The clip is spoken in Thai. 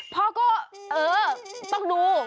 พ่อก็เออต้องดู